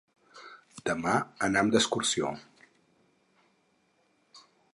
Demà anam d'excursió.